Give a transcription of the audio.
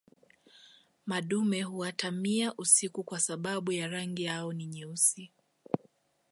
madume huatamia usiku kwa sababu ya rangi yao ni nyeusi